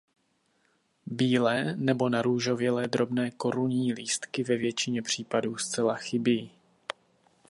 Bílé nebo narůžovělé drobné korunní lístky ve většině případů zcela chybí.